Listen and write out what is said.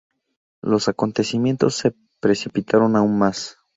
Los acontecimientos se precipitaron aún más.